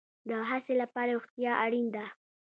د هڅې لپاره روغتیا اړین ده